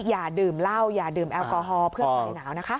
อย่าดื่มเหล้าอย่าดื่มแอลกอฮอลเพื่อคลายหนาวนะคะ